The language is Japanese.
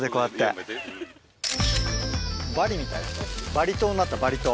バリ島になったバリ島。